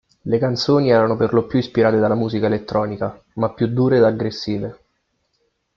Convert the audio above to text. Le canzoni erano perlopiù ispirate dalla musica elettronica, ma più dure ed aggressive.